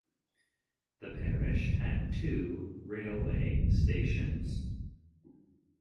The parish had two railway stations.